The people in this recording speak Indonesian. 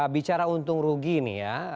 bicara untung rugi nih ya